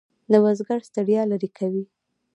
د بزګر ستړیا لرې کوي.